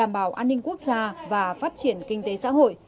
bảo an ninh quốc gia và phát triển kinh tế xã hội